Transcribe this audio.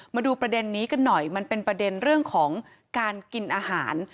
มาดูประเด็นนี้กันหน่อยมันเป็นประเด็นเรื่องของการกินอาหาร